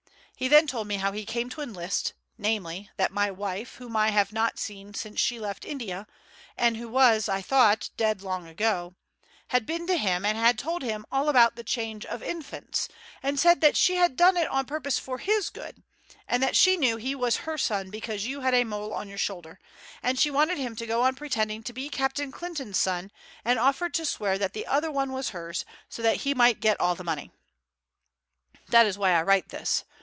He then told me how he came to enlist, namely, that my wife, whom I have not seen since she left India, and who was, I thought, dead long ago, had been to him and had told him all about the change of infants, and said that she had done it on purpose for his good, and that she knew that he was her son because you had a mole on your shoulder; and she wanted him to go on pretending to be Captain Clinton's son, and offered to swear that the other one was hers, so that he might get all the money. "That is why I write this.